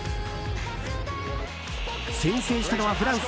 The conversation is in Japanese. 先制したのはフランス。